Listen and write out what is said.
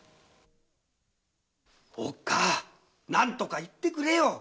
おっかあ何とか言ってくれよ。